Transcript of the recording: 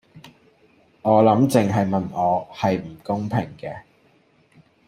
我諗淨係問我係唔公平嘅